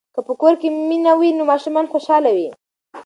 که په کور کې مینه وي نو ماشومان خوشاله وي.